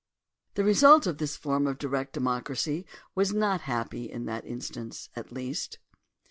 The result of this form of direct democracy was not happy in that instance, at least.